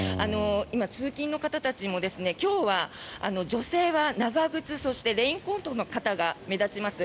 今、通勤の方たちも今日は女性は長靴、そしてレインコートの方が目立ちます。